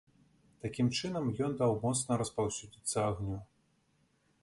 Такім чынам ён даў моцна распаўсюдзіцца агню.